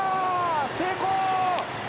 成功！